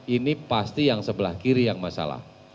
ini pasti yang sebelah kiri yang masalah